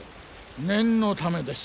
念のためです。